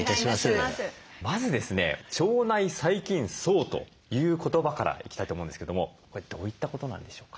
まずですね「腸内細菌叢」という言葉からいきたいと思うんですけどもこれどういったことなんでしょうか？